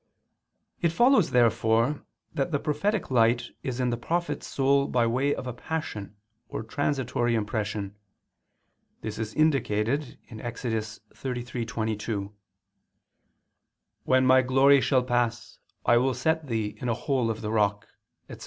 It follows therefore that the prophetic light is in the prophet's soul by way of a passion or transitory impression. This is indicated Ex. 33:22: "When my glory shall pass, I will set thee in a hole of the rock," etc.